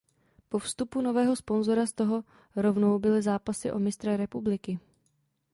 Po vstupu nového sponzora z toho rovnou byly zápasy o mistra republiky.